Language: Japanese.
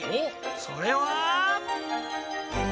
それは。